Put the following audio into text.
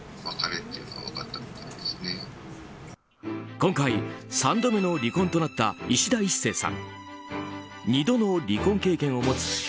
今回、３度目の離婚となったいしだ壱成さん。